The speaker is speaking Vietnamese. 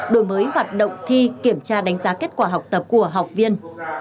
đổi mới hoạt động thi kiểm tra đánh giá kết quả học tập của học viên